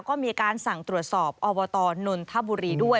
ก็มีการสั่งตรวจสอบอบตนนทบุรีด้วย